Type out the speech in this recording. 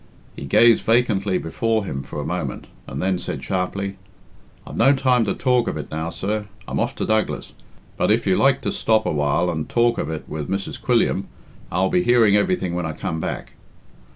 He gazed vacantly before him for a moment, and then said, sharply, "I've no time to talk of it now, sir. I'm off to Douglas, but if you like to stop awhile and talk of it with Mrs. Quilliam, I'll be hearing everything when I come back.